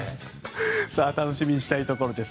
楽しみにしたいところです。